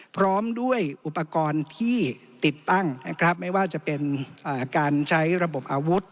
พร้อมด้วยอุปกรณ์ที่ติดตั้งนะครับไม่ว่าจะเป็นการใช้ระบบอาวุธ